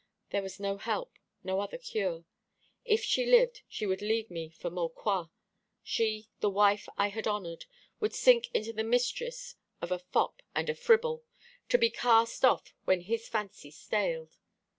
There was no help, no other cure. If she lived, she would leave me for Maucroix. She, the wife I had honoured, would sink into the mistress of a fop and a fribble, to be cast off when his fancy staled.